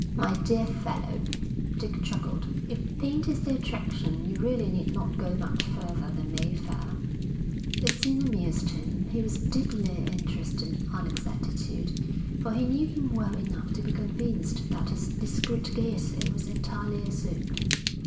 'My dear fellow,' Dick chuckled, 'if paint is the attraction, you really need not go much further than Mayfair.' The scene amused him. He was deeply interested in Alec's attitude, for he knew him well enough to be convinced that his discreet gaiety was entirely assumed.